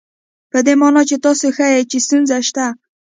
په دې مانا چې تاسې ښيئ چې ستونزه شته.